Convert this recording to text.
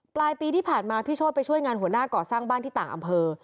ปลายปีที่ผ่านมาพี่โชธไปช่วยงานหัวหน้าก่อสร้างบ้านที่ต่างอำเภอ